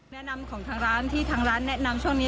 แนะนำของทางร้านที่ทางร้านแนะนำช่วงนี้